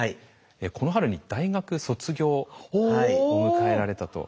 この春に大学卒業を迎えられたと。